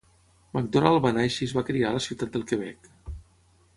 Macdonald va néixer i es va criar a la ciutat del Quebec.